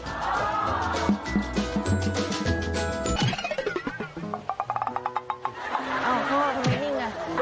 อ้าวพ่อทำไมนิ่งอ่ะ